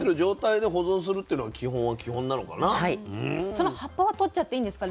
その葉っぱは取っちゃっていいんですか？